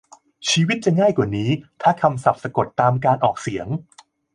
ชีวิตจะง่ายกว่านี้ถ้าคำศัพท์สะกดตามการออกเสียง